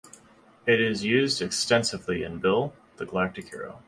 It is used extensively in Bill, the Galactic Hero.